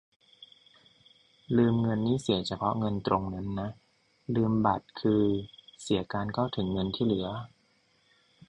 ลืมเงินนี่เสียเฉพาะเงินตรงนั้นนะ ลืมบัตรคือเสียการเข้าถึงเงินที่เหลือ